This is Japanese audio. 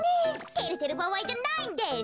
てれてるばあいじゃないんです！